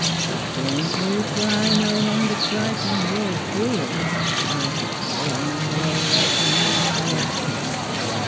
... But don't you try no hunger strike on yours truly. I got your number all right, young feller